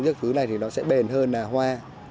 nước thứ này thì nó sẽ bền hơn là hoa